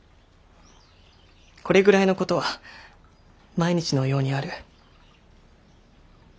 これぐらいのことは毎日のようにある。